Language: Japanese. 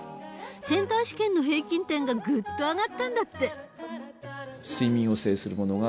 センター試験の平均点がぐっと上がったんだって。